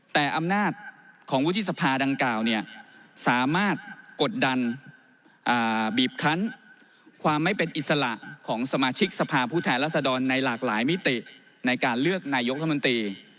แต่อำนาจของวุฒิสภาดังกล่าวสามารถกดดันบีบคันความไม่เป็นอิสระของสมาชิกสภาพผู้แทนรัศดรในหลากหลายมิติในการเลือกนายกรัฐมนตรี